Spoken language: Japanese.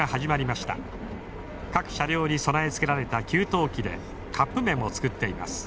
各車両に備え付けられた給湯器でカップめんを作っています。